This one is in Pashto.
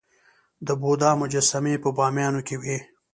د بودا مجسمې په بامیان کې وې